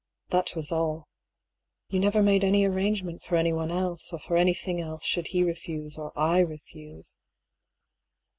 That was all. You never made any arrangement for anyone else, or for any thing else, should he refuse, or I refuse.